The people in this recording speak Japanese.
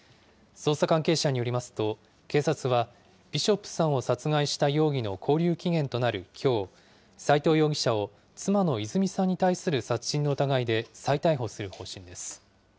捜査関係者によりますと、警察はビショップさんを殺害した容疑の勾留期限となるきょう、斎藤容疑者を、妻の泉さんに対する殺人の疑いで再逮捕する方針です。